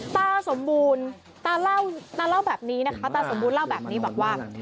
ตาสมบูรณ์ตาเล่าตาเล่าแบบนี้นะคะตาสมบูรณเล่าแบบนี้บอกว่า